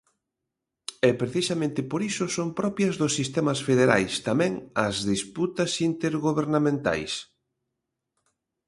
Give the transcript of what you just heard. E precisamente por iso son propias dos sistemas federais tamén as disputas intergobernamentais.